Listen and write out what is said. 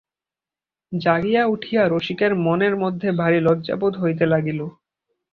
জাগিয়া উঠিয়া রসিকের মনের মধ্যে ভারি লজ্জা বোধ হইতে লাগিল।